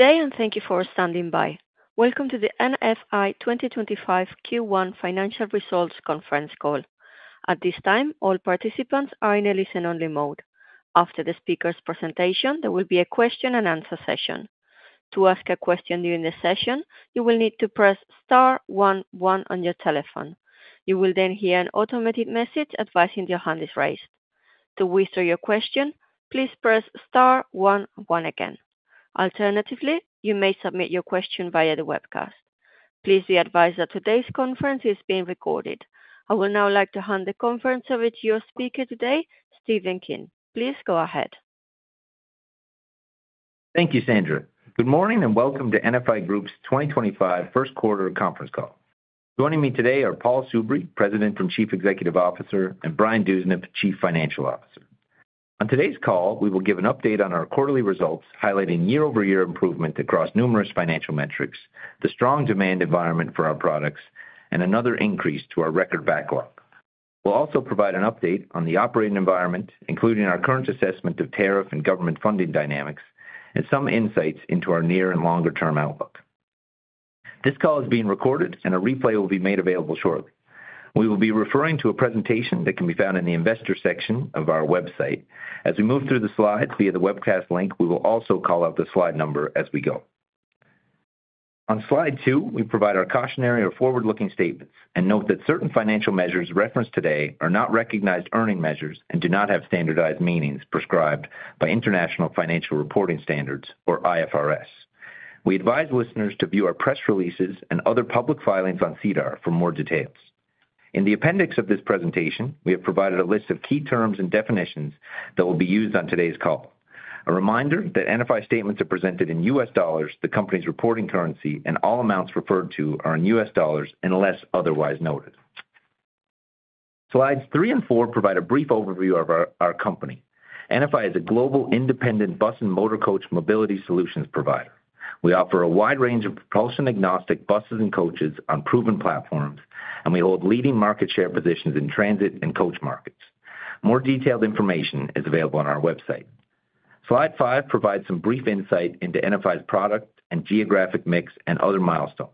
Good day, and thank you for standing by. Welcome to the NFI 2025 Q1 Financial Results Conference call. At this time, all participants are in a listen-only mode. After the speaker's presentation, there will be a question-and-answer session. To ask a question during the session, you will need to press star 11 on your telephone. You will then hear an automated message advising your hand is raised. To whisper your question, please press *11 again. Alternatively, you may submit your question via the webcast. Please be advised that today's conference is being recorded. I would now like to hand the conference over to your speaker today, Stephen King. Please go ahead. Thank you, Sandra. Good morning, and welcome to NFI Group's 2025 first quarter conference call. Joining me today are Paul Soubry, President and Chief Executive Officer, and Brian Dewsnup, Chief Financial Officer. On today's call, we will give an update on our quarterly results, highlighting year-over-year improvement across numerous financial metrics, the strong demand environment for our products, and another increase to our record backlog. We will also provide an update on the operating environment, including our current assessment of tariff and government funding dynamics, and some insights into our near and longer-term outlook. This call is being recorded, and a replay will be made available shortly. We will be referring to a presentation that can be found in the investor section of our website. As we move through the slides via the webcast link, we will also call out the slide number as we go. On slide two, we provide our cautionary or forward-looking statements and note that certain financial measures referenced today are not recognized earning measures and do not have standardized meanings prescribed by International Financial Reporting Standards, or IFRS. We advise listeners to view our press releases and other public filings on SEDAR for more details. In the appendix of this presentation, we have provided a list of key terms and definitions that will be used on today's call. A reminder that NFI statements are presented in U.S. dollars, the company's reporting currency, and all amounts referred to are in U.S. dollars unless otherwise noted. Slides three and four provide a brief overview of our company. NFI is a global independent bus and motor coach mobility solutions provider. We offer a wide range of propulsion-agnostic buses and coaches on proven platforms, and we hold leading market share positions in transit and coach markets. More detailed information is available on our website. Slide five provides some brief insight into NFI's product and geographic mix and other milestones.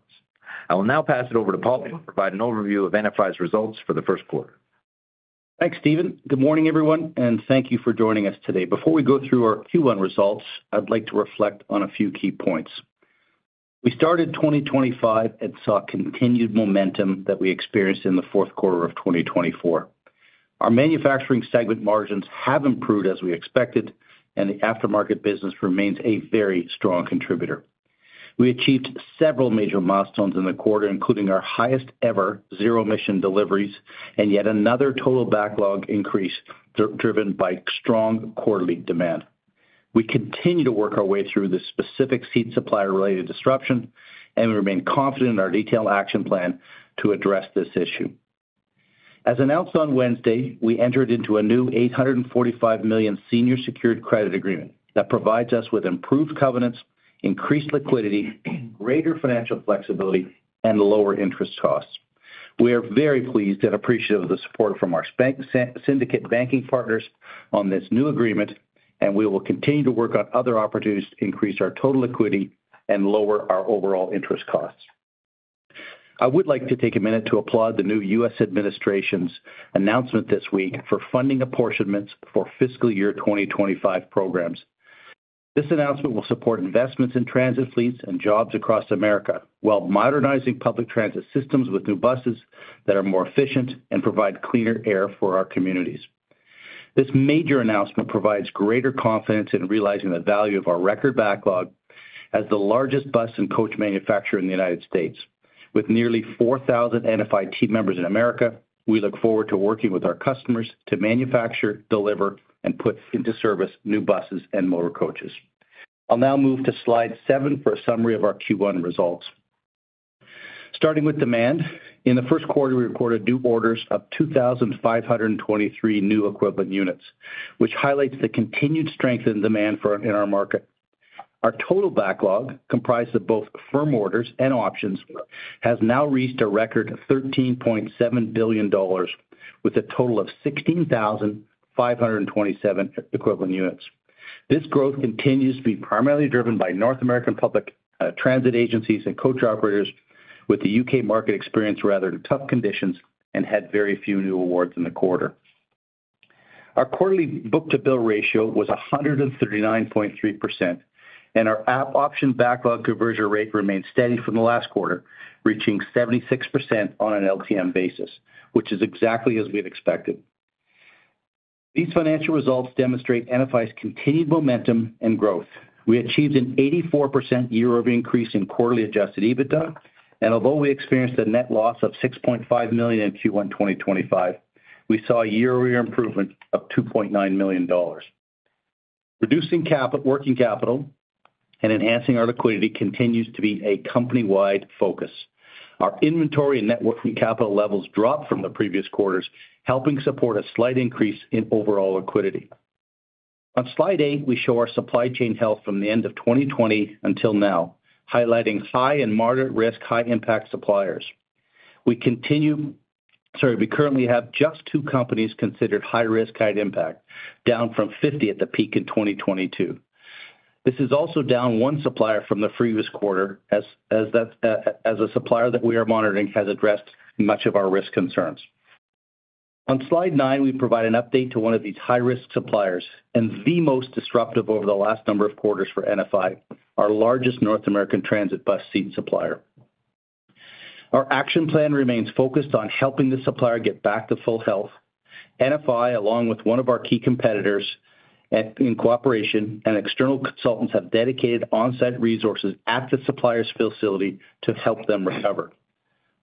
I will now pass it over to Paul to provide an overview of NFI's results for the first quarter. Thanks, Stephen. Good morning, everyone, and thank you for joining us today. Before we go through our Q1 results, I'd like to reflect on a few key points. We started 2025 and saw continued momentum that we experienced in the fourth quarter of 2024. Our manufacturing segment margins have improved as we expected, and the aftermarket business remains a very strong contributor. We achieved several major milestones in the quarter, including our highest-ever zero-emission deliveries and yet another total backlog increase driven by strong quarterly demand. We continue to work our way through this specific seat supplier-related disruption, and we remain confident in our detailed action plan to address this issue. As announced on Wednesday, we entered into a new $845 million senior secured credit agreement that provides us with improved covenants, increased liquidity, greater financial flexibility, and lower interest costs. We are very pleased and appreciative of the support from our syndicate banking partners on this new agreement, and we will continue to work on other opportunities to increase our total liquidity and lower our overall interest costs. I would like to take a minute to applaud the new U.S. administration's announcement this week for funding apportionments for fiscal year 2025 programs. This announcement will support investments in transit fleets and jobs across America while modernizing public transit systems with new buses that are more efficient and provide cleaner air for our communities. This major announcement provides greater confidence in realizing the value of our record backlog as the largest bus and coach manufacturer in the United States. With nearly 4,000 NFI team members in America, we look forward to working with our customers to manufacture, deliver, and put into service new buses and motor coaches. I'll now move to slide seven for a summary of our Q1 results. Starting with demand, in the first quarter, we recorded new orders of 2,523 new equivalent units, which highlights the continued strength in demand in our market. Our total backlog, comprised of both firm orders and options, has now reached a record $13.7 billion, with a total of 16,527 equivalent units. This growth continues to be primarily driven by North American public transit agencies and coach operators, with the U.K. market experienced rather tough conditions and had very few new awards in the quarter. Our quarterly book-to-bill ratio was 139.3%, and our option backlog conversion rate remained steady from the last quarter, reaching 76% on an LTM basis, which is exactly as we expected. These financial results demonstrate NFI's continued momentum and growth. We achieved an 84% year-over-year increase in quarterly adjusted EBITDA, and although we experienced a net loss of $6.5 million in Q1 2025, we saw a year-over-year improvement of $2.9 million. Reducing working capital and enhancing our liquidity continues to be a company-wide focus. Our inventory and net working capital levels dropped from the previous quarters, helping support a slight increase in overall liquidity. On slide eight, we show our supply chain health from the end of 2020 until now, highlighting high and moderate risk, high-impact suppliers. We currently have just two companies considered high-risk, high-impact, down from 50 at the peak in 2022. This is also down one supplier from the previous quarter, as a supplier that we are monitoring has addressed much of our risk concerns. On slide nine, we provide an update to one of these high-risk suppliers and the most disruptive over the last number of quarters for NFI, our largest North American transit bus seat supplier. Our action plan remains focused on helping the supplier get back to full health. NFI, along with one of our key competitors, in cooperation and external consultants, have dedicated on-site resources at the supplier's facility to help them recover.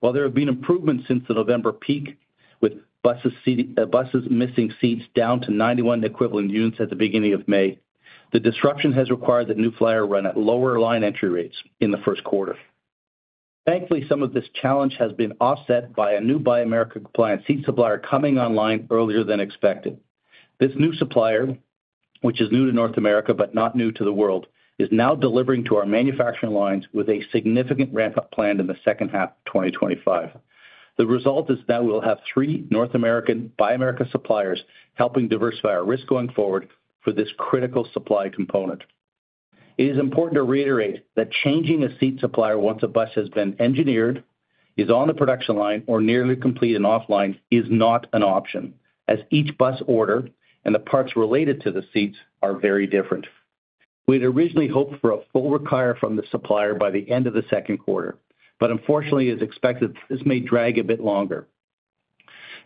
While there have been improvements since the November peak, with buses missing seats down to 91 equivalent units at the beginning of May, the disruption has required New Flyer to run at lower line entry rates in the first quarter. Thankfully, some of this challenge has been offset by a new Buy America-compliant seat supplier coming online earlier than expected. This new supplier, which is new to North America but not new to the world, is now delivering to our manufacturing lines with a significant ramp-up planned in the second half of 2025. The result is that we'll have three North American Buy America suppliers helping diversify our risk going forward for this critical supply component. It is important to reiterate that changing a seat supplier once a bus has been engineered, is on the production line, or nearly complete and offline, is not an option, as each bus order and the parts related to the seats are very different. We had originally hoped for a full require from the supplier by the end of the second quarter, but unfortunately, it is expected that this may drag a bit longer.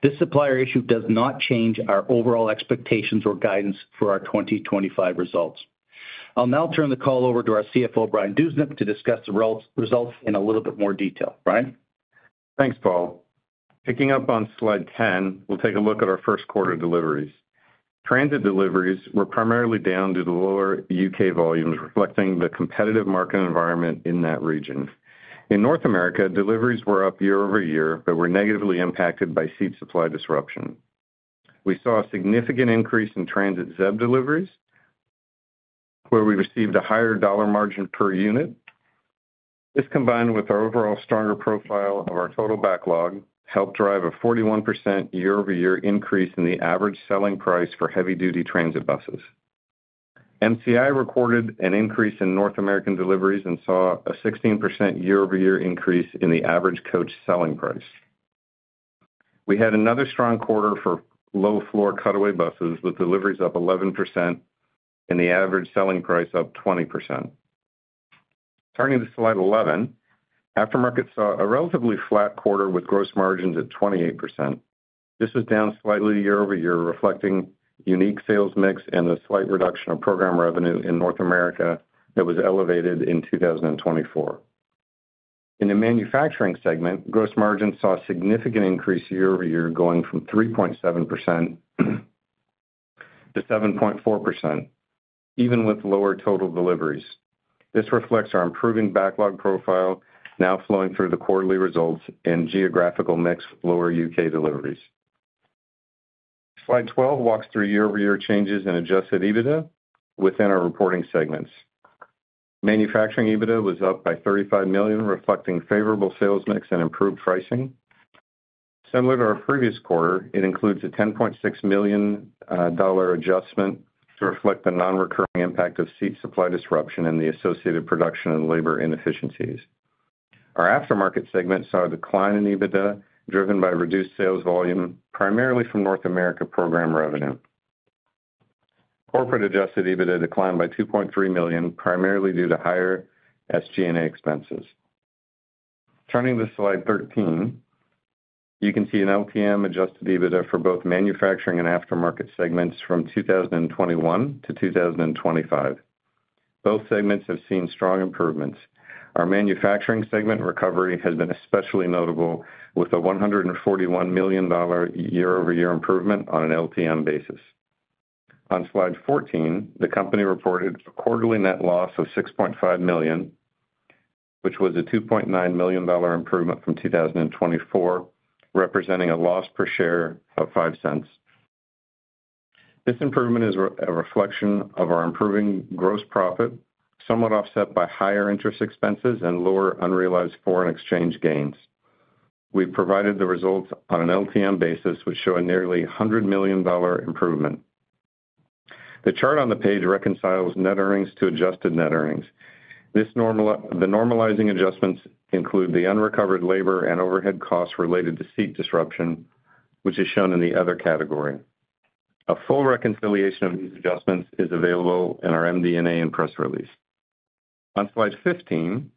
This supplier issue does not change our overall expectations or guidance for our 2025 results. I'll now turn the call over to our CFO, Brian Dewsnup, to discuss the results in a little bit more detail. Brian? Thanks, Paul. Picking up on slide 10, we'll take a look at our first quarter deliveries. Transit deliveries were primarily down due to lower U.K. volumes, reflecting the competitive market environment in that region. In North America, deliveries were up year-over-year but were negatively impacted by seat supply disruption. We saw a significant increase in transit ZEB deliveries, where we received a higher dollar margin per unit. This, combined with our overall stronger profile of our total backlog, helped drive a 41% year-over-year increase in the average selling price for heavy-duty transit buses. MCI recorded an increase in North American deliveries and saw a 16% year-over-year increase in the average coach selling price. We had another strong quarter for low-floor cutaway buses, with deliveries up 11% and the average selling price up 20%. Turning to slide 11, aftermarket saw a relatively flat quarter with gross margins at 28%. This was down slightly year-over-year, reflecting unique sales mix and a slight reduction of program revenue in North America that was elevated in 2024. In the manufacturing segment, gross margins saw a significant increase year-over-year, going from 3.7% to 7.4%, even with lower total deliveries. This reflects our improving backlog profile, now flowing through the quarterly results and geographical mix lower U.K. deliveries. Slide 12 walks through year-over-year changes in adjusted EBITDA within our reporting segments. Manufacturing EBITDA was up by $35 million, reflecting favorable sales mix and improved pricing. Similar to our previous quarter, it includes a $10.6 million adjustment to reflect the non-recurring impact of seat supply disruption and the associated production and labor inefficiencies. Our aftermarket segment saw a decline in EBITDA driven by reduced sales volume, primarily from North America program revenue. Corporate adjusted EBITDA declined by $2.3 million, primarily due to higher SG&A expenses. Turning to slide 13, you can see an LTM adjusted EBITDA for both manufacturing and aftermarket segments from 2021 to 2025. Both segments have seen strong improvements. Our manufacturing segment recovery has been especially notable, with a $141 million year-over-year improvement on an LTM basis. On slide 14, the company reported a quarterly net loss of $6.5 million, which was a $2.9 million improvement from 2024, representing a loss per share of $0.05. This improvement is a reflection of our improving gross profit, somewhat offset by higher interest expenses and lower unrealized foreign exchange gains. We've provided the results on an LTM basis, which show a nearly $100 million improvement. The chart on the page reconciles net earnings to adjusted net earnings. The normalizing adjustments include the unrecovered labor and overhead costs related to seat disruption, which is shown in the other category. A full reconciliation of these adjustments is available in our MD&A and press release. On slide 15,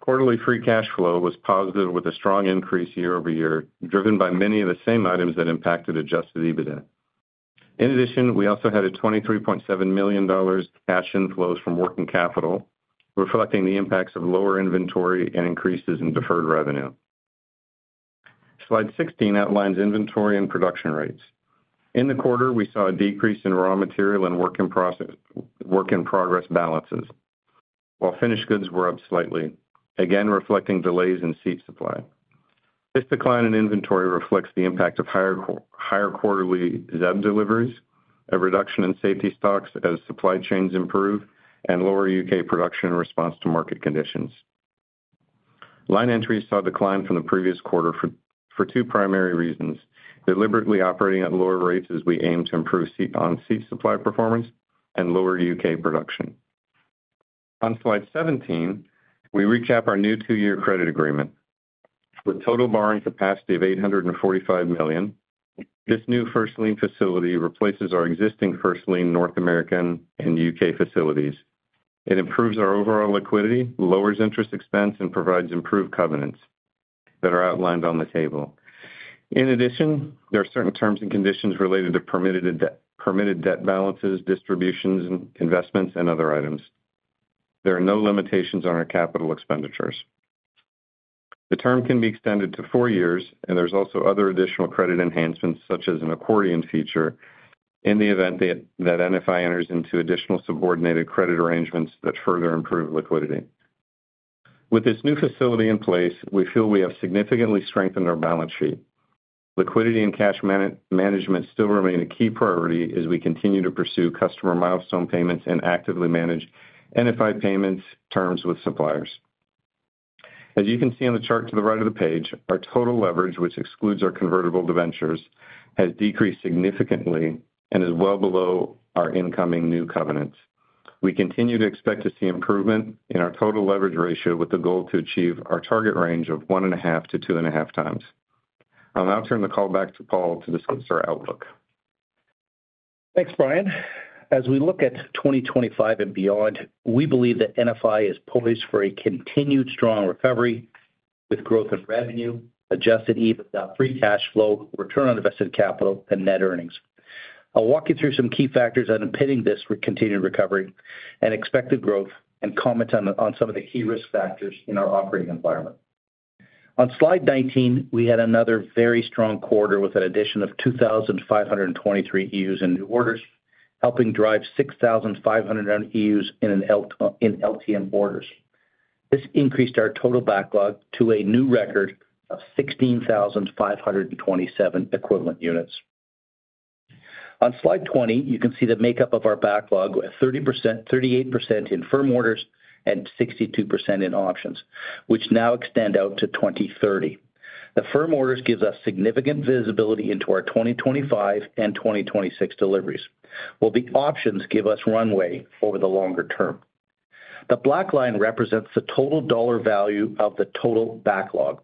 quarterly free cash flow was positive with a strong increase year-over-year, driven by many of the same items that impacted adjusted EBITDA. In addition, we also had a $23.7 million cash inflows from working capital, reflecting the impacts of lower inventory and increases in deferred revenue. Slide 16 outlines inventory and production rates. In the quarter, we saw a decrease in raw material and work in progress balances, while finished goods were up slightly, again reflecting delays in seat supply. This decline in inventory reflects the impact of higher quarterly ZEB deliveries, a reduction in safety stocks as supply chains improve, and lower UK production in response to market conditions. Line entries saw a decline from the previous quarter for two primary reasons: deliberately operating at lower rates as we aim to improve on-seat supply performance and lower U.K. production. On slide 17, we recap our new two-year credit agreement. With total borrowing capacity of $845 million, this new first lien facility replaces our existing first lien North American and U.K. facilities. It improves our overall liquidity, lowers interest expense, and provides improved covenants that are outlined on the table. In addition, there are certain terms and conditions related to permitted debt balances, distributions, investments, and other items. There are no limitations on our capital expenditures. The term can be extended to four years, and there is also other additional credit enhancements, such as an accordion feature, in the event that NFI enters into additional subordinated credit arrangements that further improve liquidity. With this new facility in place, we feel we have significantly strengthened our balance sheet. Liquidity and cash management still remain a key priority as we continue to pursue customer milestone payments and actively manage NFI payment terms with suppliers. As you can see on the chart to the right of the page, our total leverage, which excludes our convertible debentures, has decreased significantly and is well below our incoming new covenants. We continue to expect to see improvement in our total leverage ratio with the goal to achieve our target range of 1.5-2.5 times. I'll now turn the call back to Paul to discuss our outlook. Thanks, Brian. As we look at 2025 and beyond, we believe that NFI is poised for a continued strong recovery with growth in revenue, adjusted EBITDA, free cash flow, return on invested capital, and net earnings. I'll walk you through some key factors underpinning this for continued recovery and expected growth and comment on some of the key risk factors in our operating environment. On slide 19, we had another very strong quarter with an addition of 2,523 EUs in new orders, helping drive 6,500 EUs in LTM orders. This increased our total backlog to a new record of 16,527 equivalent units. On slide 20, you can see the makeup of our backlog at 38% in firm orders and 62% in options, which now extend out to 2030. The firm orders give us significant visibility into our 2025 and 2026 deliveries, while the options give us runway over the longer term. The black line represents the total dollar value of the total backlog.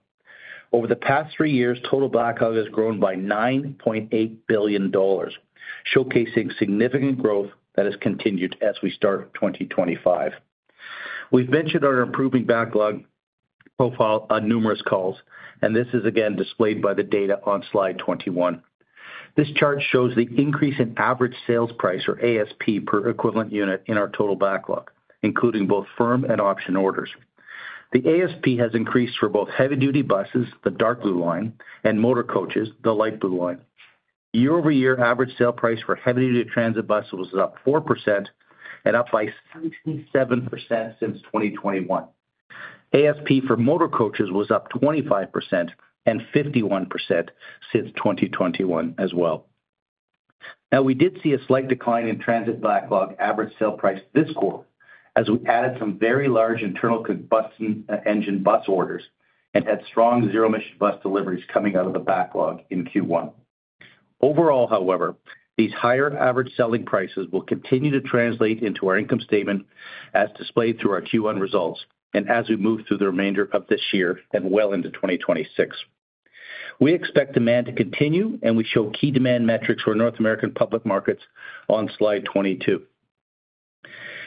Over the past three years, total backlog has grown by $9.8 billion, showcasing significant growth that has continued as we start 2025. We've mentioned our improving backlog profile on numerous calls, and this is again displayed by the data on slide 21. This chart shows the increase in average sales price, or ASP, per equivalent unit in our total backlog, including both firm and option orders. The ASP has increased for both heavy-duty buses, the dark blue line, and motor coaches, the light blue line. Year-over-year average sale price for heavy-duty transit buses was up 4% and up by 67% since 2021. ASP for motor coaches was up 25% and 51% since 2021 as well. Now, we did see a slight decline in transit backlog average sale price this quarter as we added some very large internal combustion engine bus orders and had strong zero-emission bus deliveries coming out of the backlog in Q1. Overall, however, these higher average selling prices will continue to translate into our income statement as displayed through our Q1 results and as we move through the remainder of this year and well into 2026. We expect demand to continue, and we show key demand metrics for North American public markets on slide 22.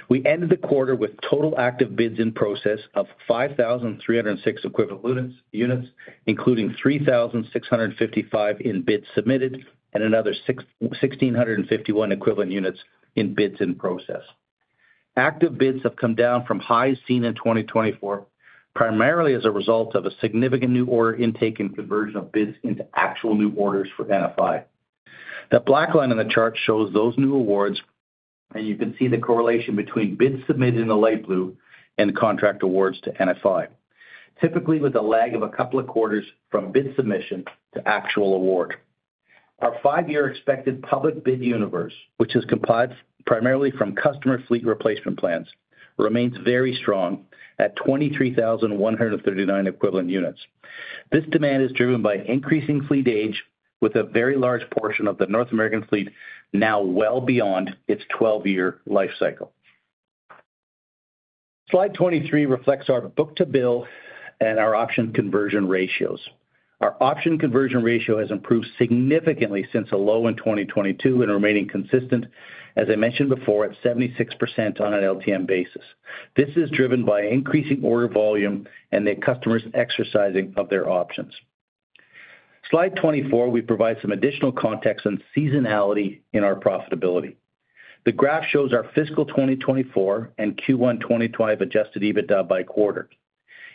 We ended the quarter with total active bids in process of 5,306 equivalent units, including 3,655 in bids submitted and another 1,651 equivalent units in bids in process. Active bids have come down from highs seen in 2024, primarily as a result of a significant new order intake and conversion of bids into actual new orders for NFI. The black line in the chart shows those new awards, and you can see the correlation between bids submitted in the light blue and contract awards to NFI, typically with a lag of a couple of quarters from bid submission to actual award. Our five-year expected public bid universe, which is comprised primarily from customer fleet replacement plans, remains very strong at 23,139 equivalent units. This demand is driven by increasing fleet age, with a very large portion of the North American fleet now well beyond its 12-year life cycle. Slide 23 reflects our book-to-bill and our option conversion ratios. Our option conversion ratio has improved significantly since a low in 2022 and remaining consistent, as I mentioned before, at 76% on an LTM basis. This is driven by increasing order volume and the customers exercising of their options. Slide 24, we provide some additional context on seasonality in our profitability. The graph shows our fiscal 2024 and Q1 2025 adjusted EBITDA by quarter.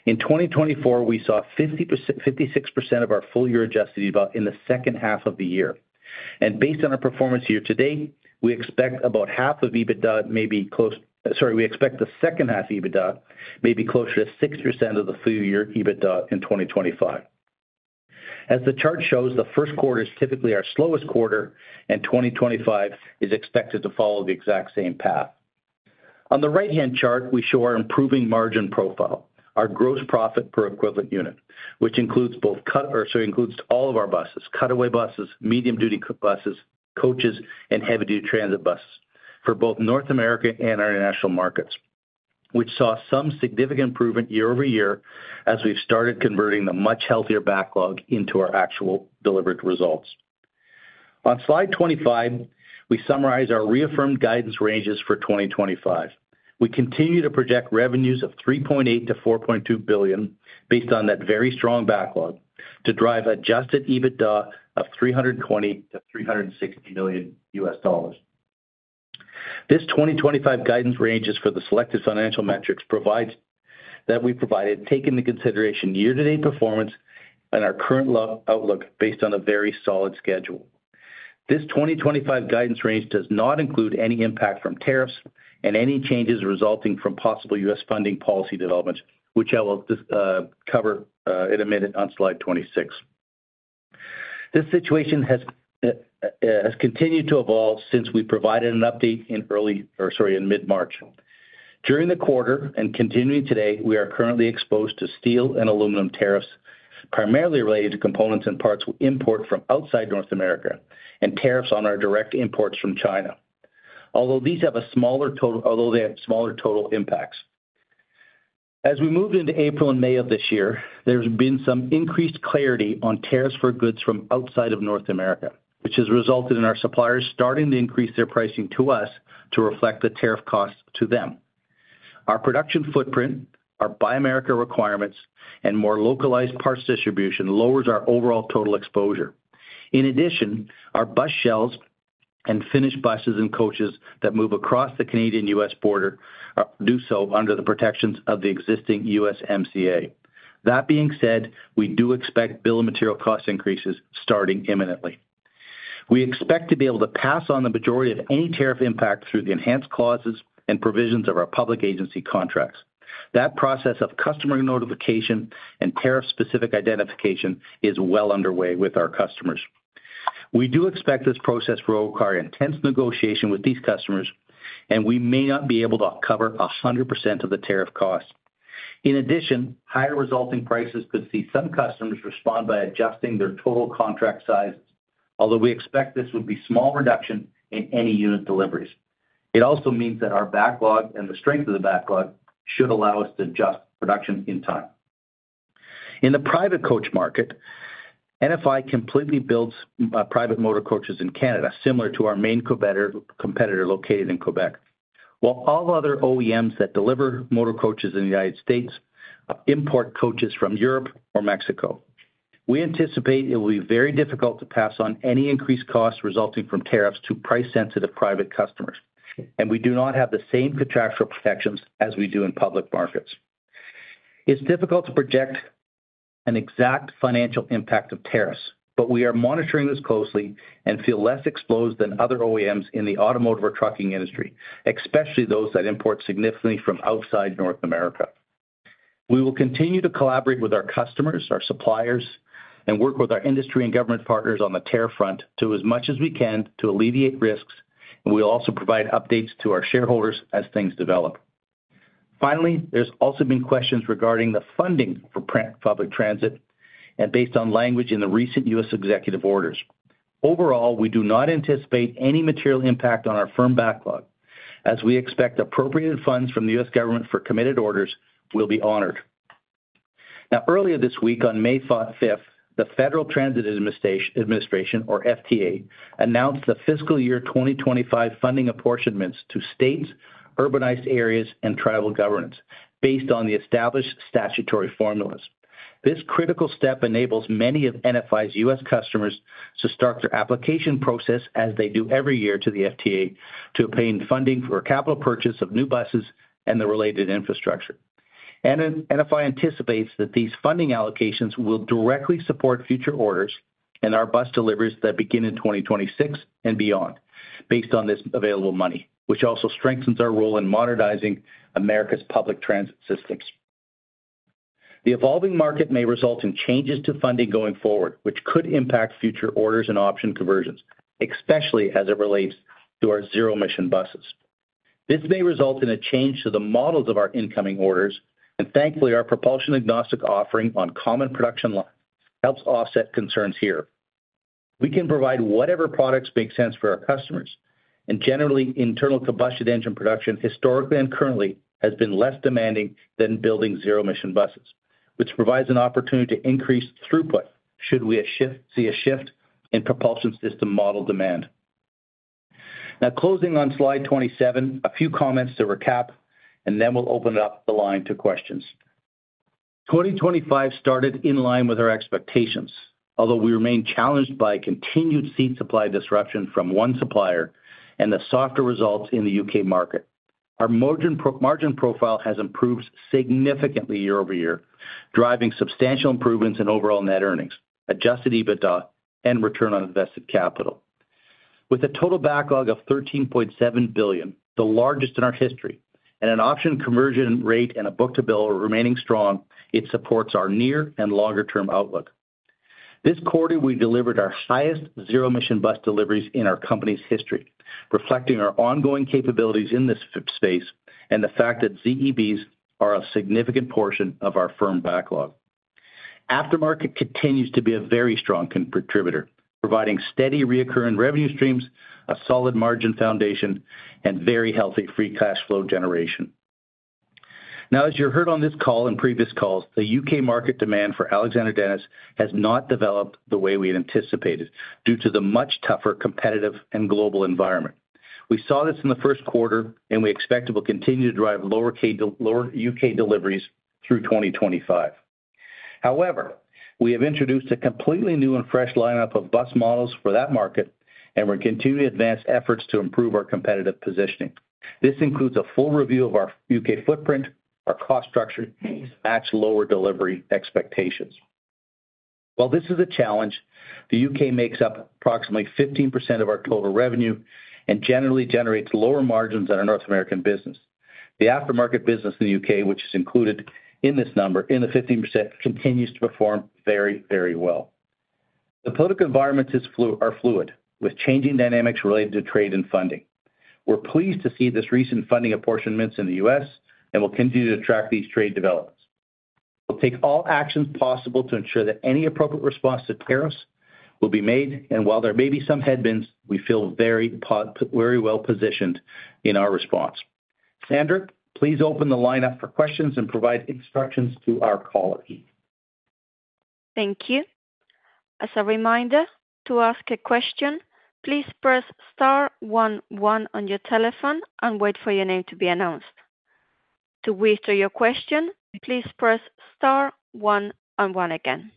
In 2024, we saw 56% of our full-year adjusted EBITDA in the second half of the year. Based on our performance year to date, we expect about half of EBITDA may be close—sorry, we expect the second half EBITDA may be closer to 60% of the full-year EBITDA in 2025. As the chart shows, the first quarter is typically our slowest quarter, and 2025 is expected to follow the exact same path. On the right-hand chart, we show our improving margin profile, our gross profit per equivalent unit, which includes both—sorry, includes all of our buses: cutaway buses, medium-duty buses, coaches, and heavy-duty transit buses for both North America and our national markets, which saw some significant improvement year-over-year as we've started converting the much healthier backlog into our actual delivered results. On slide 25, we summarize our reaffirmed guidance ranges for 2025. We continue to project revenues of $3.8 billion-$4.2 billion based on that very strong backlog to drive adjusted EBITDA of $320 million-$360 million. This 2025 guidance range is for the selected financial metrics that we provided, taking into consideration year-to-date performance and our current outlook based on a very solid schedule. This 2025 guidance range does not include any impact from tariffs and any changes resulting from possible U.S. funding policy developments, which I will cover in a minute on slide 26. This situation has continued to evolve since we provided an update in early—or sorry, in mid-March. During the quarter and continuing today, we are currently exposed to steel and aluminum tariffs, primarily related to components and parts we import from outside North America, and tariffs on our direct imports from China, although these have a smaller total—although they have smaller total impacts. As we moved into April and May of this year, there has been some increased clarity on tariffs for goods from outside of North America, which has resulted in our suppliers starting to increase their pricing to us to reflect the tariff costs to them. Our production footprint, our Buy America requirements, and more localized parts distribution lowers our overall total exposure. In addition, our bus shells and finished buses and coaches that move across the Canadian-U.S. border do so under the protections of the existing USMCA. That being said, we do expect bill of material cost increases starting imminently. We expect to be able to pass on the majority of any tariff impact through the enhanced clauses and provisions of our public agency contracts. That process of customer notification and tariff-specific identification is well underway with our customers. We do expect this process to require intense negotiation with these customers, and we may not be able to cover 100% of the tariff cost. In addition, higher resulting prices could see some customers respond by adjusting their total contract sizes, although we expect this would be a small reduction in any unit deliveries. It also means that our backlog and the strength of the backlog should allow us to adjust production in time. In the private coach market, NFI completely builds private motor coaches in Canada, similar to our main competitor located in Quebec, while all other OEMs that deliver motor coaches in the United States import coaches from Europe or Mexico. We anticipate it will be very difficult to pass on any increased costs resulting from tariffs to price-sensitive private customers, and we do not have the same contractual protections as we do in public markets. It's difficult to project an exact financial impact of tariffs, but we are monitoring this closely and feel less exposed than other OEMs in the automotive or trucking industry, especially those that import significantly from outside North America. We will continue to collaborate with our customers, our suppliers, and work with our industry and government partners on the tariff front to as much as we can to alleviate risks, and we'll also provide updates to our shareholders as things develop. Finally, there's also been questions regarding the funding for public transit and based on language in the recent U.S. executive orders. Overall, we do not anticipate any material impact on our firm backlog, as we expect appropriated funds from the U.S. government for committed orders will be honored. Now, earlier this week, on May 5th, the Federal Transit Administration, or FTA, announced the fiscal year 2025 funding apportionments to states, urbanized areas, and tribal governments based on the established statutory formulas. This critical step enables many of NFI's U.S. customers to start their application process, as they do every year to the FTA, to obtain funding for capital purchase of new buses and the related infrastructure. NFI anticipates that these funding allocations will directly support future orders and our bus deliveries that begin in 2026 and beyond based on this available money, which also strengthens our role in modernizing America's public transit systems. The evolving market may result in changes to funding going forward, which could impact future orders and option conversions, especially as it relates to our zero-emission buses. This may result in a change to the models of our incoming orders, and thankfully, our propulsion agnostic offering on common production lines helps offset concerns here. We can provide whatever products make sense for our customers, and generally, internal combustion engine production historically and currently has been less demanding than building zero-emission buses, which provides an opportunity to increase throughput should we see a shift in propulsion system model demand. Now, closing on slide 27, a few comments to recap, and then we'll open up the line to questions. 2025 started in line with our expectations, although we remain challenged by continued seat supply disruption from one supplier and the softer results in the U.K. market. Our margin profile has improved significantly year-over-year, driving substantial improvements in overall net earnings, adjusted EBITDA, and return on invested capital. With a total backlog of $13.7 billion, the largest in our history, and an option conversion rate and a book-to-bill remaining strong, it supports our near and longer-term outlook. This quarter, we delivered our highest zero-emission bus deliveries in our company's history, reflecting our ongoing capabilities in this space and the fact that ZEBs are a significant portion of our firm backlog. Aftermarket continues to be a very strong contributor, providing steady recurring revenue streams, a solid margin foundation, and very healthy free cash flow generation. Now, as you heard on this call and previous calls, the U.K. market demand for Alexander Dennis has not developed the way we anticipated due to the much tougher competitive and global environment. We saw this in the first quarter, and we expect it will continue to drive lower U.K. deliveries through 2025. However, we have introduced a completely new and fresh lineup of bus models for that market, and we're continuing to advance efforts to improve our competitive positioning. This includes a full review of our U.K. footprint, our cost structure, and to match lower delivery expectations. While this is a challenge, the U.K. makes up approximately 15% of our total revenue and generally generates lower margins than our North American business. The aftermarket business in the U.K., which is included in this number, in the 15%, continues to perform very, very well. The political environments are fluid, with changing dynamics related to trade and funding. We're pleased to see these recent funding apportionments in the U.S., and we'll continue to track these trade developments. We'll take all actions possible to ensure that any appropriate response to tariffs will be made, and while there may be some headwinds, we feel very well positioned in our response. Sandra, please open the line up for questions and provide instructions to our caller. Thank you. As a reminder, to ask a question, please press star 11 on your telephone and wait for your name to be announced. To withdraw your question, please press star 11 again.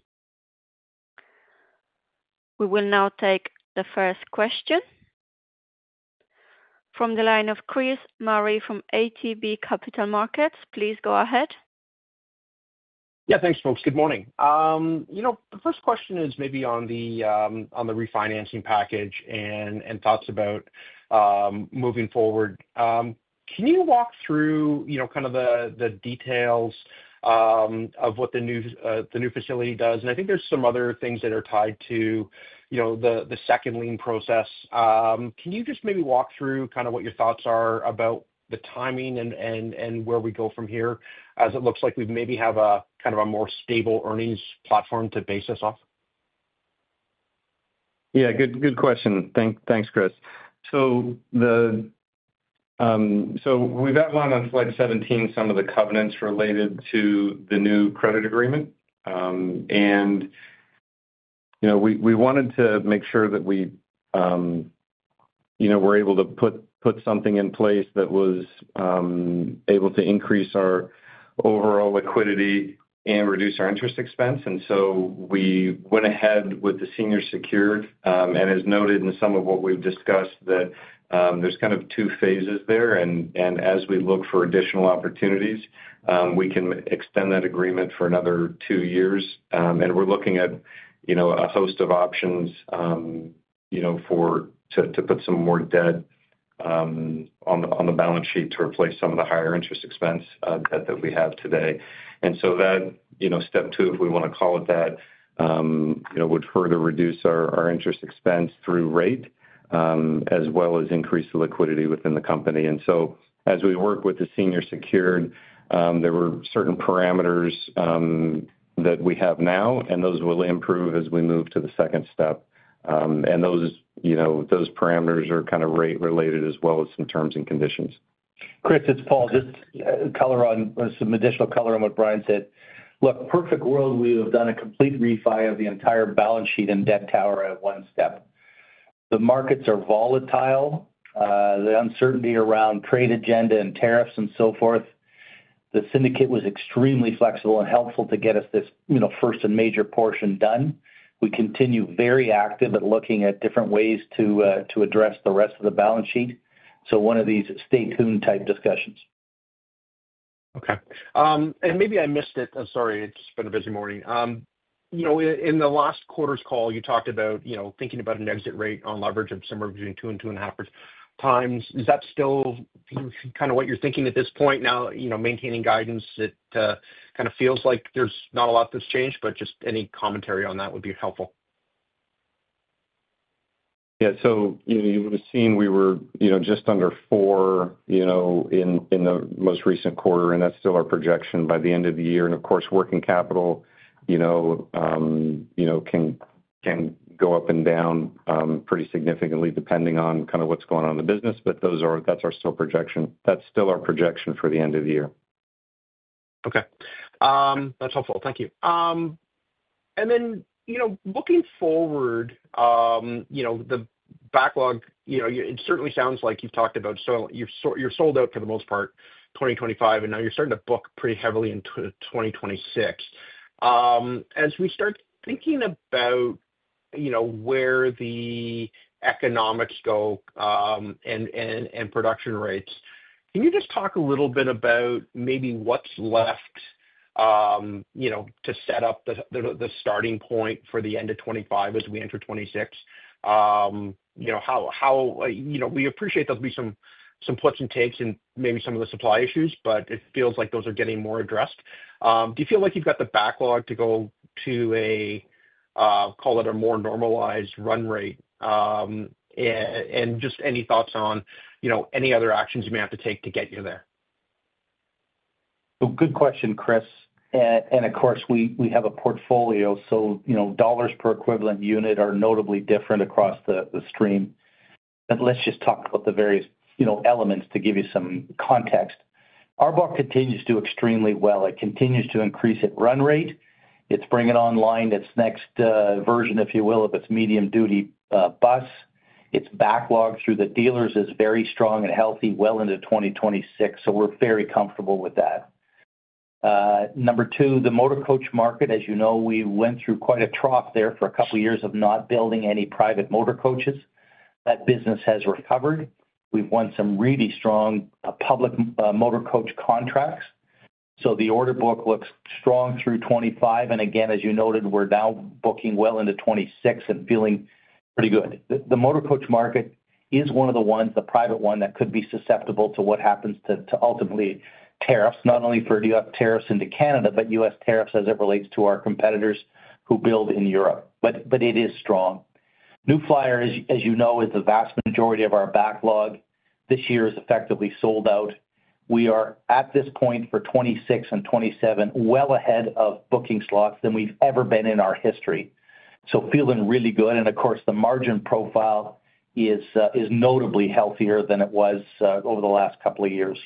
We will now take the first question from the line of Chris Murray from ATB Capital Markets. Please go ahead. Yeah, thanks, folks. Good morning. The first question is maybe on the refinancing package and thoughts about moving forward. Can you walk through kind of the details of what the new facility does? And I think there's some other things that are tied to the second lien process. Can you just maybe walk through kind of what your thoughts are about the timing and where we go from here as it looks like we maybe have kind of a more stable earnings platform to base this off? Yeah, good question. Thanks, Chris. We have outlined on slide 17 some of the covenants related to the new credit agreement. We wanted to make sure that we were able to put something in place that was able to increase our overall liquidity and reduce our interest expense. We went ahead with the senior secured. As noted in some of what we have discussed, there are kind of two phases there. As we look for additional opportunities, we can extend that agreement for another two years. We are looking at a host of options to put some more debt on the balance sheet to replace some of the higher interest expense that we have today. That step two, if we want to call it that, would further reduce our interest expense through rate, as well as increase the liquidity within the company. As we work with the senior secured, there were certain parameters that we have now, and those will improve as we move to the second step. Those parameters are kind of rate-related, as well as some terms and conditions. Chris, it's Paul. Just some additional color on what Brian said. Look, perfect world, we have done a complete refi of the entire balance sheet and debt tower at one step. The markets are volatile. The uncertainty around trade agenda and tariffs and so forth. The syndicate was extremely flexible and helpful to get us this first and major portion done. We continue very active at looking at different ways to address the rest of the balance sheet. One of these stay-toned type discussions. Okay. Maybe I missed it. I'm sorry. It's been a busy morning. In the last quarter's call, you talked about thinking about an exit rate on leverage of somewhere between two and two and a half times. Is that still kind of what you're thinking at this point? Now, maintaining guidance, it kind of feels like there's not a lot that's changed, but just any commentary on that would be helpful. Yeah. You would have seen we were just under four in the most recent quarter, and that's still our projection by the end of the year. Of course, working capital can go up and down pretty significantly depending on kind of what's going on in the business, but that's still our projection for the end of the year. Okay. That's helpful. Thank you. Looking forward, the backlog, it certainly sounds like you've talked about you're sold out for the most part for 2025, and now you're starting to book pretty heavily into 2026. As we start thinking about where the economics go and production rates, can you just talk a little bit about maybe what's left to set up the starting point for the end of 2025 as we enter 2026? We appreciate there'll be some puts and takes and maybe some of the supply issues, but it feels like those are getting more addressed. Do you feel like you've got the backlog to go to, call it a more normalized run rate? Just any thoughts on any other actions you may have to take to get you there? Good question, Chris. Of course, we have a portfolio, so dollars per equivalent unit are notably different across the stream. Let us just talk about the various elements to give you some context. Our bulk continues to do extremely well. It continues to increase at run rate. It is bringing online its next version, if you will, of its medium-duty bus. Its backlog through the dealers is very strong and healthy well into 2026, so we are very comfortable with that. Number two, the motor coach market, as you know, we went through quite a trough there for a couple of years of not building any private motor coaches. That business has recovered. We have won some really strong public motor coach contracts. The order book looks strong through 2025. Again, as you noted, we are now booking well into 2026 and feeling pretty good. The motor coach market is one of the ones, the private one, that could be susceptible to what happens to ultimately tariffs, not only for U.S. tariffs into Canada, but U.S. tariffs as it relates to our competitors who build in Europe. It is strong. New Flyer, as you know, is the vast majority of our backlog. This year is effectively sold out. We are at this point for 2026 and 2027 well ahead of booking slots than we've ever been in our history. Feeling really good. Of course, the margin profile is notably healthier than it was over the last couple of years.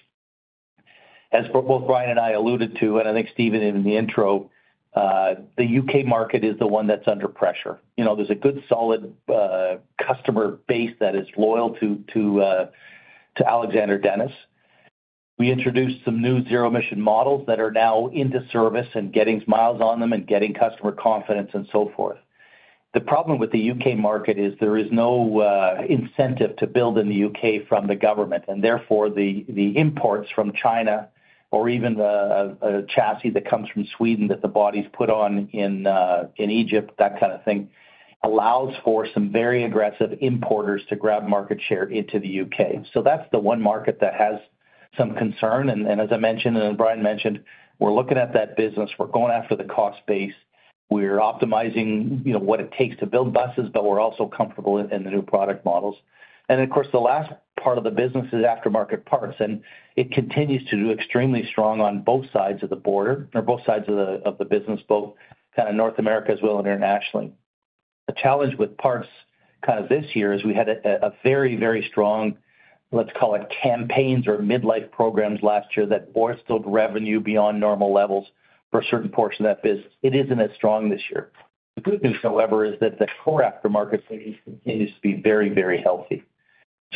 As both Brian and I alluded to, and I think Stephen in the intro, the U.K. market is the one that's under pressure. There's a good solid customer base that is loyal to Alexander Dennis. We introduced some new zero-emission models that are now into service and getting miles on them and getting customer confidence and so forth. The problem with the U.K. market is there is no incentive to build in the U.K. from the government. Therefore, the imports from China or even a chassis that comes from Sweden that the body is put on in Egypt, that kind of thing, allows for some very aggressive importers to grab market share into the U.K. That is the one market that has some concern. As I mentioned, and as Brian mentioned, we're looking at that business. We're going after the cost base. We're optimizing what it takes to build buses, but we're also comfortable in the new product models. Of course, the last part of the business is aftermarket parts. It continues to do extremely strong on both sides of the border or both sides of the business, both kind of North America as well and internationally. A challenge with parts kind of this year is we had a very, very strong, let's call it campaigns or midlife programs last year that bolstered revenue beyond normal levels for a certain portion of that business. It is not as strong this year. The good news, however, is that the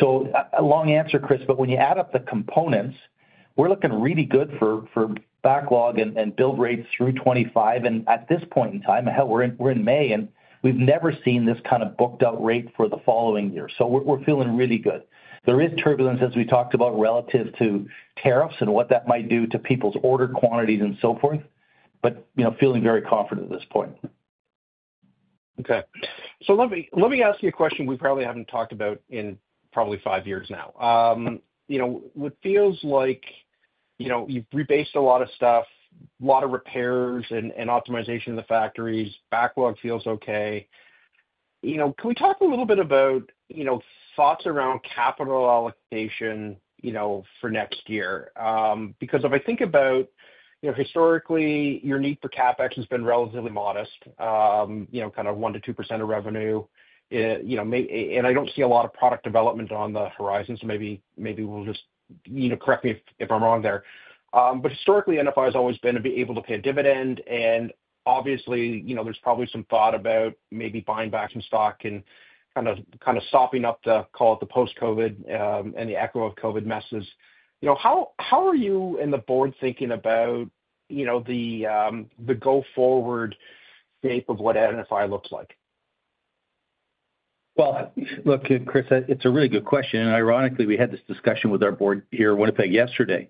core aftermarket continues to be very, very healthy. Long answer, Chris, but when you add up the components, we are looking really good for backlog and build rates through 2025. At this point in time, we are in May, and we have never seen this kind of booked-out rate for the following year. We are feeling really good. There is turbulence, as we talked about, relative to tariffs and what that might do to people's order quantities and so forth, but feeling very confident at this point. Okay. Let me ask you a question we probably haven't talked about in probably five years now. It feels like you've rebased a lot of stuff, a lot of repairs and optimization of the factories. Backlog feels okay. Can we talk a little bit about thoughts around capital allocation for next year? Because if I think about historically, your need for CapEx has been relatively modest, kind of 1-2% of revenue. I don't see a lot of product development on the horizon, so maybe just correct me if I'm wrong there. Historically, NFI has always been able to pay a dividend. Obviously, there's probably some thought about maybe buying back some stock and kind of sopping up the, call it the post-COVID and the echo of COVID messes. How are you and the board thinking about the go-forward shape of what NFI looks like? Chris, it's a really good question. Ironically, we had this discussion with our board here at Winnipeg yesterday.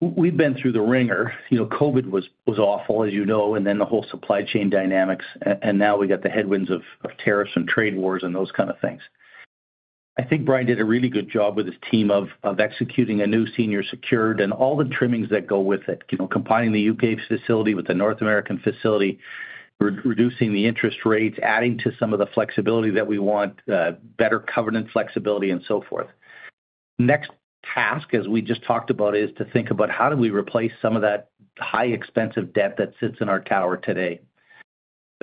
We've been through the ringer. COVID was awful, as you know, and then the whole supply chain dynamics. Now we got the headwinds of tariffs and trade wars and those kind of things. I think Brian did a really good job with his team of executing a new senior secured and all the trimmings that go with it, combining the U.K. facility with the North American facility, reducing the interest rates, adding to some of the flexibility that we want, better covenant flexibility, and so forth. Next task, as we just talked about, is to think about how do we replace some of that high-expensive debt that sits in our tower today.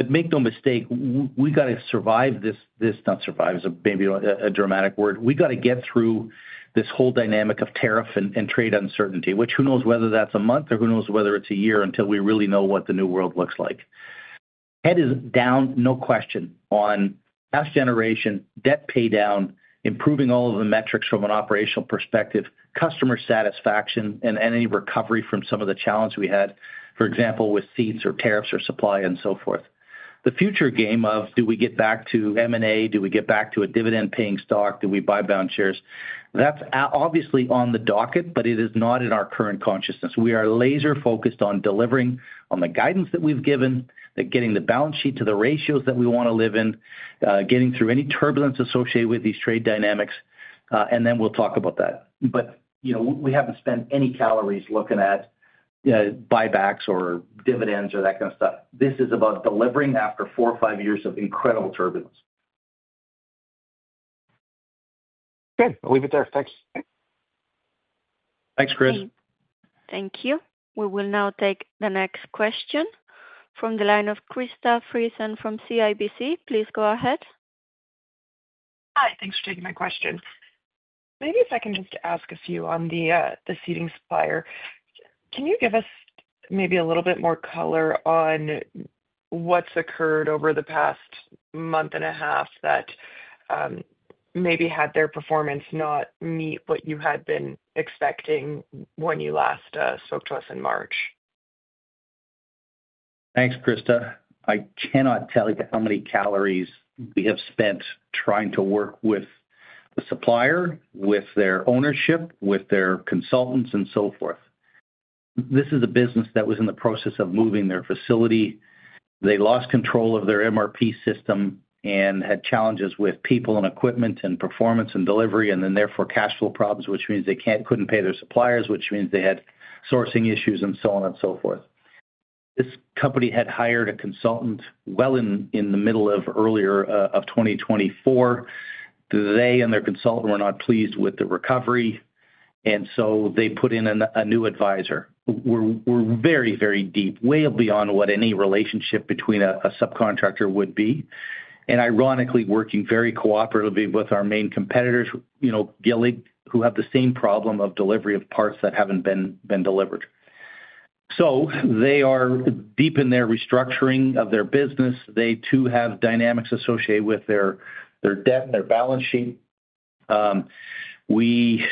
Make no mistake, we got to survive this—not survive is maybe a dramatic word. We got to get through this whole dynamic of tariff and trade uncertainty, which who knows whether that's a month or who knows whether it's a year until we really know what the new world looks like. Head is down, no question, on cash generation, debt pay down, improving all of the metrics from an operational perspective, customer satisfaction, and any recovery from some of the challenges we had, for example, with seats or tariffs or supply and so forth. The future game of, do we get back to M&A? Do we get back to a dividend-paying stock? Do we buy back shares? That's obviously on the docket, but it is not in our current consciousness. We are laser-focused on delivering on the guidance that we've given, getting the balance sheet to the ratios that we want to live in, getting through any turbulence associated with these trade dynamics. We will talk about that. We haven't spent any calories looking at buybacks or dividends or that kind of stuff. This is about delivering after four or five years of incredible turbulence. Good. I'll leave it there. Thanks. T hanks, Chris. Thank you. We will now take the next question from the line of Krista Friesen from CIBC. Please go ahead. Hi. Thanks for taking my question. Maybe if I can just ask a few on the seating supplier. Can you give us maybe a little bit more color on what's occurred over the past month and a half that maybe had their performance not meet what you had been expecting when you last spoke to us in March? Thanks, Krista. I cannot tell you how many calories we have spent trying to work with the supplier, with their ownership, with their consultants, and so forth. This is a business that was in the process of moving their facility. They lost control of their MRP system and had challenges with people and equipment and performance and delivery, and therefore cash flow problems, which means they could not pay their suppliers, which means they had sourcing issues and so on and so forth. This company had hired a consultant well in the middle of earlier of 2024. They and their consultant were not pleased with the recovery. They put in a new advisor. We are very, very deep, way beyond what any relationship between a subcontractor would be. Ironically, working very cooperatively with our main competitors, Gillig, who have the same problem of delivery of parts that have not been delivered. They are deep in their restructuring of their business. They too have dynamics associated with their debt and their balance sheet. We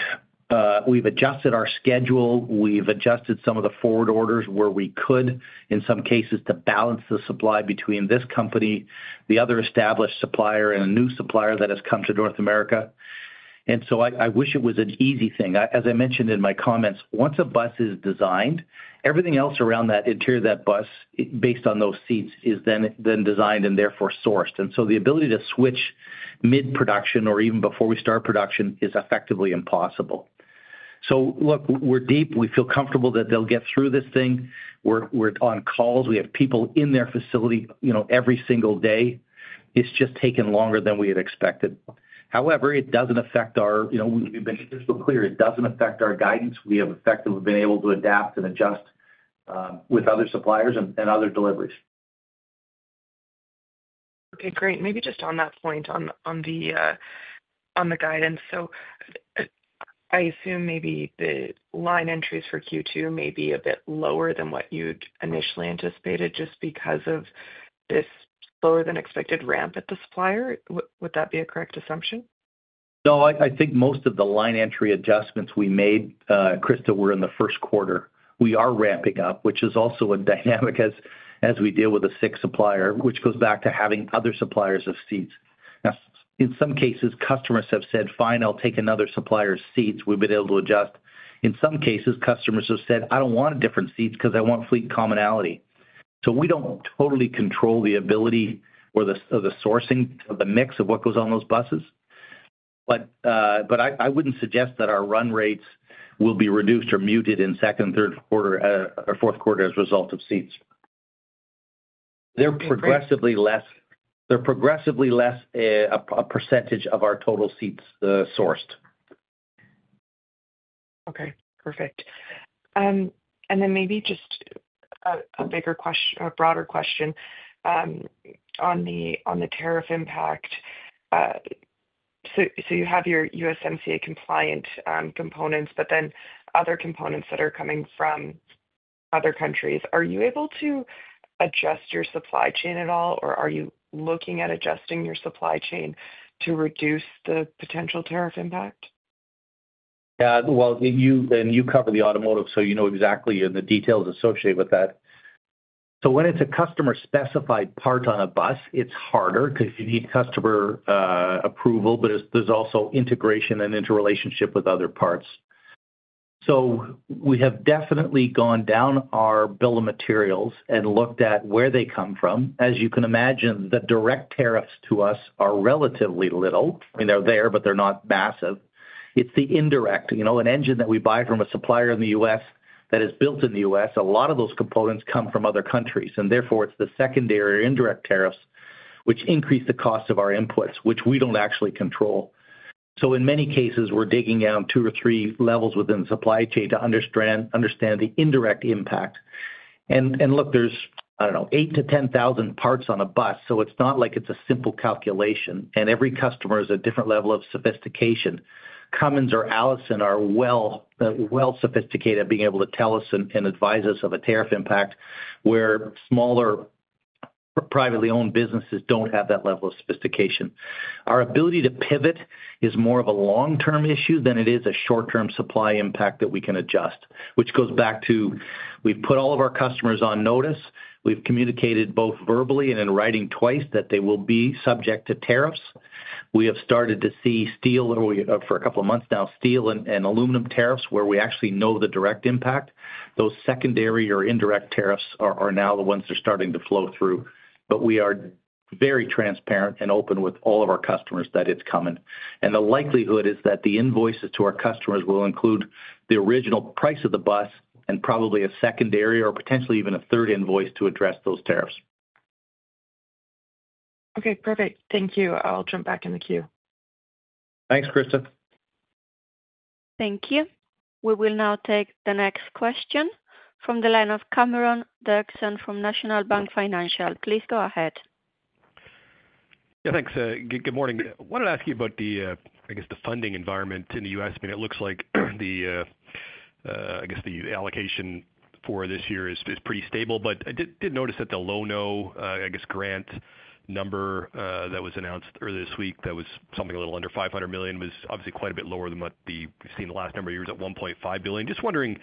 have adjusted our schedule. We've adjusted some of the forward orders where we could, in some cases, to balance the supply between this company, the other established supplier, and a new supplier that has come to North America. I wish it was an easy thing. As I mentioned in my comments, once a bus is designed, everything else around that interior of that bus, based on those seats, is then designed and therefore sourced. The ability to switch mid-production or even before we start production is effectively impossible. Look, we're deep. We feel comfortable that they'll get through this thing. We're on calls. We have people in their facility every single day. It's just taken longer than we had expected. However, it doesn't affect our—we've been clear—it doesn't affect our guidance. We have effectively been able to adapt and adjust with other suppliers and other deliveries. Okay. Great. Maybe just on that point on the guidance. I assume maybe the line entries for Q2 may be a bit lower than what you'd initially anticipated just because of this slower-than-expected ramp at the supplier. Would that be a correct assumption? No, I think most of the line entry adjustments we made, Krista, were in the first quarter. We are ramping up, which is also a dynamic as we deal with a sixth supplier, which goes back to having other suppliers of seats. In some cases, customers have said, "Fine, I'll take another supplier's seats." We've been able to adjust. In some cases, customers have said, "I don't want different seats because I want fleet commonality." We don't totally control the ability or the sourcing of the mix of what goes on those buses. I wouldn't suggest that our run rates will be reduced or muted in second and third quarter or fourth quarter as a result of seats. They're progressively less. They're progressively less a percentage of our total seats sourced. Okay. Perfect. Maybe just a bigger question, a broader question on the tariff impact. You have your USMCA compliant components, but then other components that are coming from other countries. Are you able to adjust your supply chain at all, or are you looking at adjusting your supply chain to reduce the potential tariff impact? Yeah. You cover the automotive, so you know exactly the details associated with that. When it's a customer-specified part on a bus, it's harder because you need customer approval, but there's also integration and interrelationship with other parts. We have definitely gone down our bill of materials and looked at where they come from. As you can imagine, the direct tariffs to us are relatively little. I mean, they're there, but they're not massive. It's the indirect. An engine that we buy from a supplier in the U.S. that is built in the U.S., a lot of those components come from other countries. Therefore, it's the secondary indirect tariffs which increase the cost of our inputs, which we don't actually control. In many cases, we're digging down two or three levels within the supply chain to understand the indirect impact. Look, there's, I don't know, 8-10 thousand parts on a bus. It's not like it's a simple calculation. Every customer is a different level of sophistication. Cummins or Allison are well-sophisticated at being able to tell us and advise us of a tariff impact where smaller privately owned businesses do not have that level of sophistication. Our ability to pivot is more of a long-term issue than it is a short-term supply impact that we can adjust, which goes back to we have put all of our customers on notice. We have communicated both verbally and in writing twice that they will be subject to tariffs. We have started to see steel for a couple of months now, steel and aluminum tariffs where we actually know the direct impact. Those secondary or indirect tariffs are now the ones that are starting to flow through. We are very transparent and open with all of our customers that it is coming. The likelihood is that the invoices to our customers will include the original price of the bus and probably a secondary or potentially even a third invoice to address those tariffs. Okay. Perfect. Thank you. I'll jump back in the queue. Thanks, Krista. Thank you. We will now take the next question from the line of Cameron Doerksen from National Bank Financial. Please go ahead. Yeah. Thanks. Good morning. I wanted to ask you about the, I guess, the funding environment in the U.S. I mean, it looks like the, I guess, the allocation for this year is pretty stable. I did notice that the Lono, I guess, grant number that was announced earlier this week that was something a little under $500 million was obviously quite a bit lower than what we've seen the last number of years at $1.5 billion. Just wondering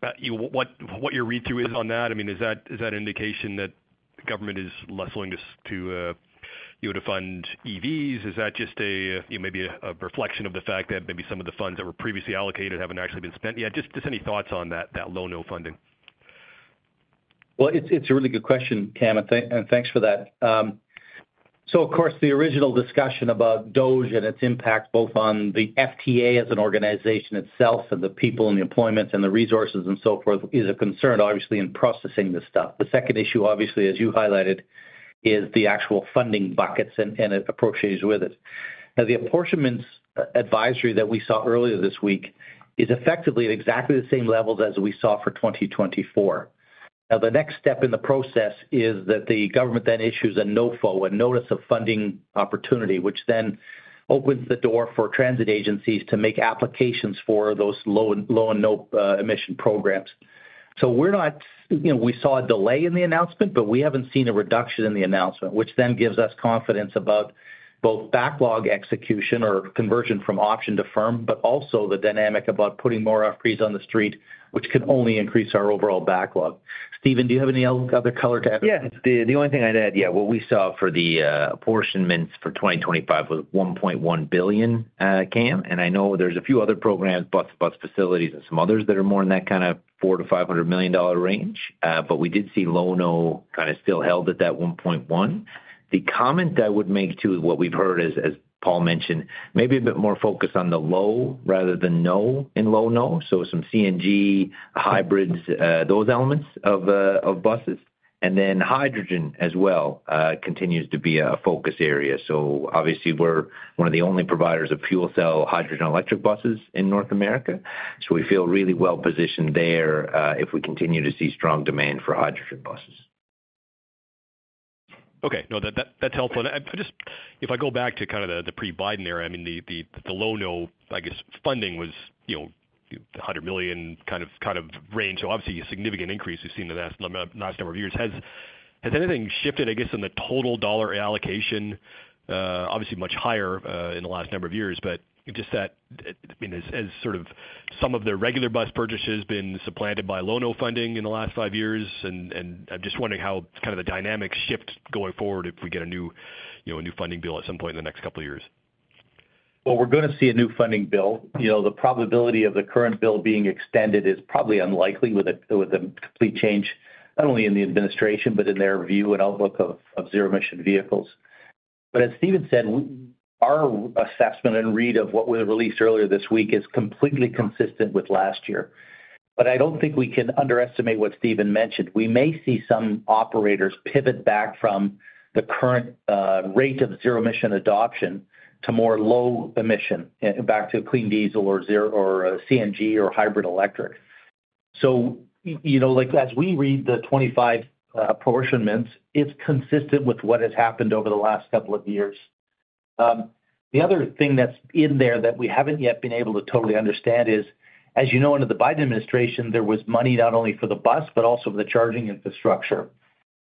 what your read-through is on that. I mean, is that an indication that the government is less willing to fund EVs? Is that just maybe a reflection of the fact that maybe some of the funds that were previously allocated have not actually been spent yet? Just any thoughts on that Lono funding? It is a really good question, Cam. Thanks for that. Of course, the original discussion about DOGE and its impact both on the FTA as an organization itself and the people and the employment and the resources and so forth is a concern, obviously, in processing this stuff. The second issue, obviously, as you highlighted, is the actual funding buckets and the appropriations with it. Now, the apportionments advisory that we saw earlier this week is effectively at exactly the same levels as we saw for 2024. Now, the next step in the process is that the government then issues a NOFO, a Notice of Funding Opportunity, which then opens the door for transit agencies to make applications for those low and no emission programs. We saw a delay in the announcement, but we have not seen a reduction in the announcement, which then gives us confidence about both backlog execution or conversion from option to firm, but also the dynamic about putting more offerings on the street, which could only increase our overall backlog. Stephen, do you have any other color to add? Yeah. The only thing I would add, yeah, what we saw for the apportionments for 2025 was $1.1 billion, Cam. I know there are a few other programs, bus facilities, and some others that are more in that kind of $400 million-$500 million range. But we did see Lono kind of still held at that 1.1. The comment I would make to what we've heard, as Paul mentioned, maybe a bit more focus on the low rather than no in Lono. So some CNG, hybrids, those elements of buses. And then hydrogen as well continues to be a focus area. Obviously, we're one of the only providers of fuel cell hydrogen electric buses in North America. We feel really well positioned there if we continue to see strong demand for hydrogen buses. Okay. No, that's helpful. If I go back to kind of the pre-Biden era, I mean, the Lono, I guess, funding was $100 million kind of range. Obviously, a significant increase we've seen in the last number of years. Has anything shifted, I guess, in the total dollar allocation? Obviously, much higher in the last number of years. Just that, I mean, has sort of some of the regular bus purchases been supplanted by Lono funding in the last five years? I'm just wondering how kind of the dynamic shift going forward if we get a new funding bill at some point in the next couple of years. We're going to see a new funding bill. The probability of the current bill being extended is probably unlikely with a complete change, not only in the administration, but in their view and outlook of zero-emission vehicles. As Stephen said, our assessment and read of what was released earlier this week is completely consistent with last year. I don't think we can underestimate what Stephen mentioned. We may see some operators pivot back from the current rate of zero-emission adoption to more low emission, back to clean diesel or CNG or hybrid electric. As we read the 25 apportionments, it is consistent with what has happened over the last couple of years. The other thing that is in there that we have not yet been able to totally understand is, as you know, under the Biden administration, there was money not only for the bus, but also for the charging infrastructure.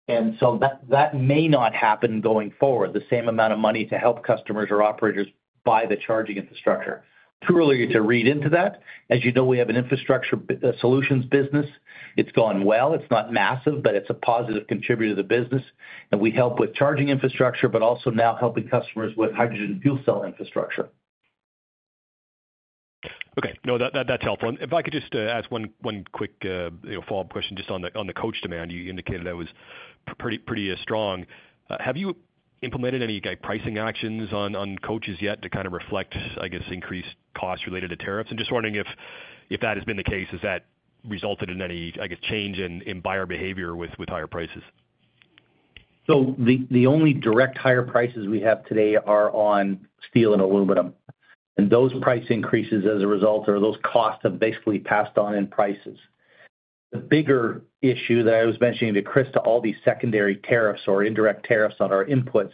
That may not happen going forward, the same amount of money to help customers or operators buy the charging infrastructure. Too early to read into that. As you know, we have an infrastructure solutions business. It has gone well. It is not massive, but it is a positive contributor to the business. We help with charging infrastructure, but also now helping customers with hydrogen fuel cell infrastructure. Okay. No, that is helpful. If I could just ask one quick follow-up question just on the coach demand. You indicated that was pretty strong. Have you implemented any pricing actions on coaches yet to kind of reflect, I guess, increased costs related to tariffs? I am just wondering if that has been the case, has that resulted in any, I guess, change in buyer behavior with higher prices? The only direct higher prices we have today are on steel and aluminum. Those price increases as a result are those costs have basically passed on in prices. The bigger issue that I was mentioning to Chris, all these secondary tariffs or indirect tariffs on our inputs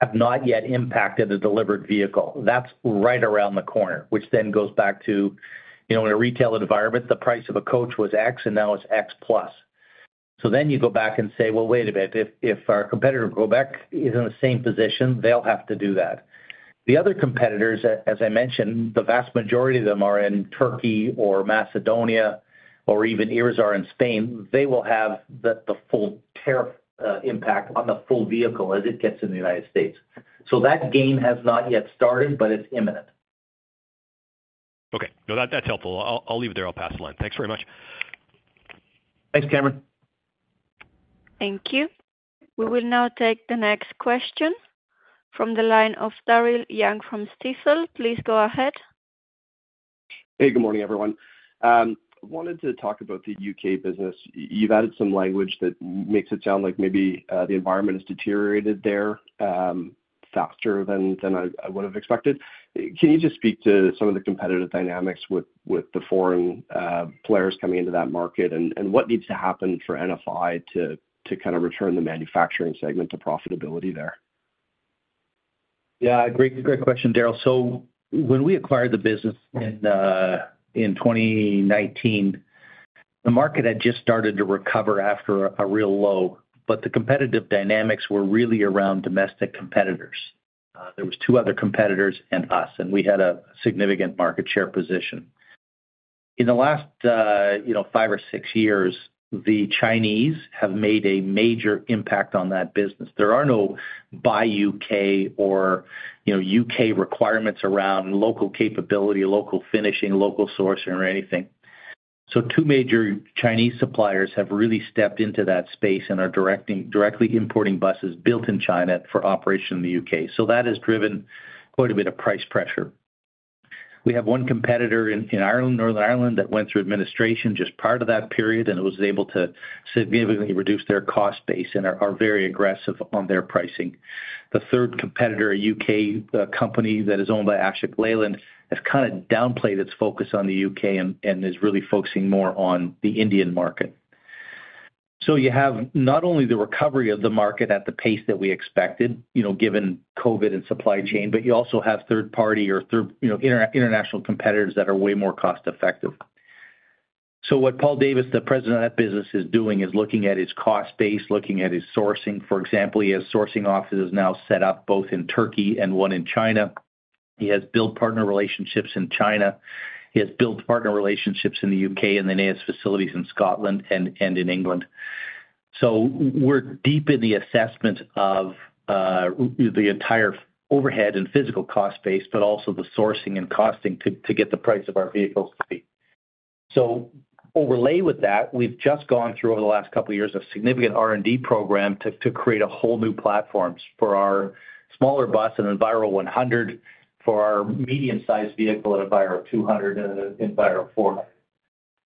have not yet impacted the delivered vehicle. That is right around the corner, which then goes back to in a retail environment, the price of a coach was X, and now it is X plus. You go back and say, "Wait a minute. If our competitor go back, is in the same position, they'll have to do that. The other competitors, as I mentioned, the vast majority of them are in Turkey or Macedonia or even Irizar in Spain, they will have the full tariff impact on the full vehicle as it gets in the United States. That game has not yet started, but it's imminent. Okay. No, that's helpful. I'll leave it there. I'll pass the line. Thanks very much. Thanks, Cameron. Thank you. We will now take the next question from the line of Daryl Young from Stifel. Please go ahead. Hey, good morning, everyone. I wanted to talk about the U.K. business. You've added some language that makes it sound like maybe the environment has deteriorated there faster than I would have expected. Can you just speak to some of the competitive dynamics with the foreign players coming into that market and what needs to happen for NFI to kind of return the manufacturing segment to profitability there? Yeah. Great question, Daryl. So when we acquired the business in 2019, the market had just started to recover after a real low, but the competitive dynamics were really around domestic competitors. There were two other competitors and us, and we had a significant market share position. In the last five or six years, the Chinese have made a major impact on that business. There are no Buy U.K. or U.K. requirements around local capability, local finishing, local sourcing, or anything. Two major Chinese suppliers have really stepped into that space and are directly importing buses built in China for operation in the U.K. That has driven quite a bit of price pressure. We have one competitor in Northern Ireland that went through administration just prior to that period, and it was able to significantly reduce their cost base and are very aggressive on their pricing. The third competitor, a U.K. company that is owned by Ashok Leyland, has kind of downplayed its focus on the U.K. and is really focusing more on the Indian market. You have not only the recovery of the market at the pace that we expected, given COVID and supply chain, but you also have third-party or international competitors that are way more cost-effective. What Paul Davis, the President of that business, is doing is looking at his cost base, looking at his sourcing. For example, he has sourcing offices now set up both in Turkey and one in China. He has built partner relationships in China. He has built partner relationships in the U.K. and then has facilities in Scotland and in England. We are deep in the assessment of the entire overhead and physical cost base, but also the sourcing and costing to get the price of our vehicles to be. Overlay with that, we have just gone through over the last couple of years a significant R&D program to create a whole new platform for our smaller bus and Enviro 100, for our medium-sized vehicle and Enviro 200 and Enviro 400.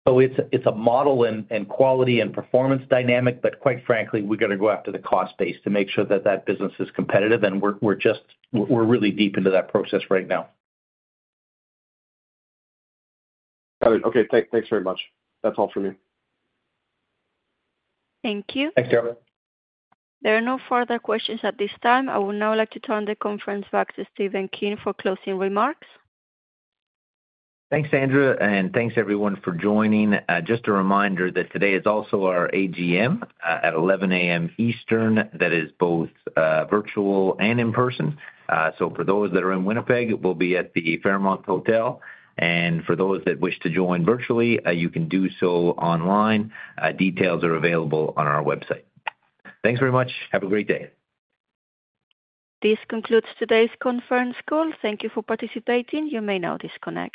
It is a model and quality and performance dynamic, but quite frankly, we are going to go after the cost base to make sure that that business is competitive. We are really deep into that process right now. Got it. Okay. Thanks very much. That is all from me. Thank you. Thanks, Daryl. There are no further questions at this time. I would now like to turn the conference back to Stephen King for closing remarks. Thanks, Andrew. Thanks, everyone, for joining. Just a reminder that today is also our AGM at 11:00 A.M. Eastern. That is both virtual and in person. For those that are in Winnipeg, we'll be at the Fairmont Hotel. For those that wish to join virtually, you can do so online. Details are available on our website. Thanks very much. Have a great day. This concludes today's conference call. Thank you for participating. You may now disconnect.